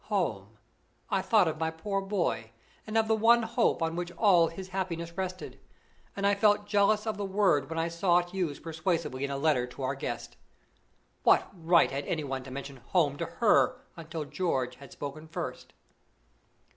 Home! I thought of my poor boy and of the one hope on which all his happiness rested, and I felt jealous of the word when I saw it used persuasively in a letter to our guest. What right had any one to mention "home" to her until George had spoken first?